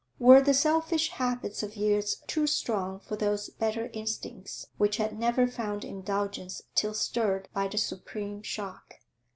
Were the selfish habits of years too strong for those better instincts which had never found indulgence till stirred by the supreme shock?